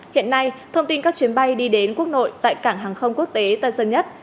hiện nay thông tin các chuyến bay đi đến quốc nội tại cảng hàng không quốc tế tân sơn nhất